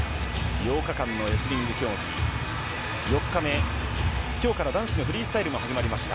８日間のレスリング競技、４日目、きょうから男子のフリースタイルも始まりました。